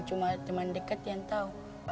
cuma teman dekat yang tahu